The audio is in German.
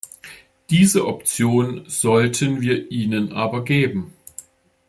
Diese Option sollten wir ihnen aber geben.